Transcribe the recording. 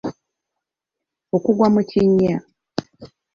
okugwa mu kinnya